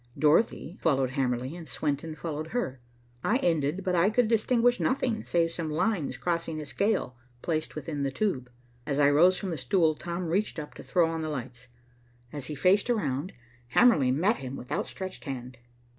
Dorothy followed Hamerly, and Swenton followed her. I ended, but I could distinguish nothing save some lines crossing a scale placed within the tube. As I rose from the stool, Tom reached up to throw on the lights. As he faced around, Hamerly met him with outstretched hand.